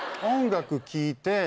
音楽聴いて。